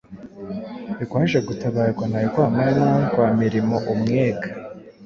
rwaje gutabarwa na Rwamanywa rwa Mirimo Umwega